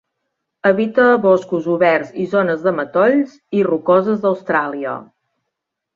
Habita boscos oberts i zones de matoll i rocoses d'Austràlia.